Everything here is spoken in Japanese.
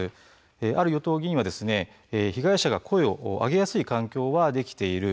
ある与党議員は被害者が声を上げやすい環境はできている。